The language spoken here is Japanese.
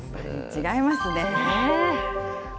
違いますね。